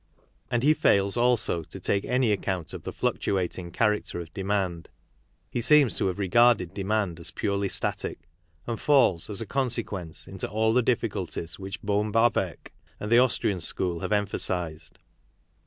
And he fails also to take any account of; the fluctuating character of demand. He seems to have? regarded demand as purely static, and falls, as a con ' sequence, into all the difficulties Avhich Bohm Bawerk and the Austrian school have emphasized.